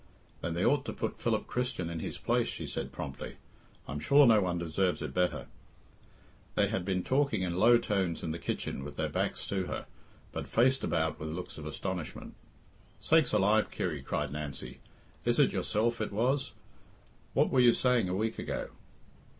"Then they ought to put Philip Christian in his place," she said promptly; "I'm sure no one deserves it better." They had been talking in low tones in the kitchen with their backs to her, but faced about with looks of astonishment. "Sakes alive, Kirry," cried Nancy, "is it yourself it was? What were you saying a week ago?"